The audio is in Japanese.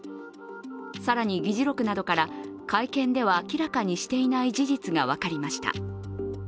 更に議事録などから、会見では明らかにしていない事実が分かりました。